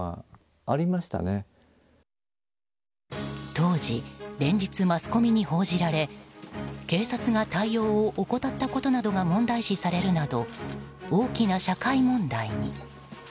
当時、連日マスコミに報じられ警察が対応を怠ったことなどが問題視されるなど大きな社会問題に。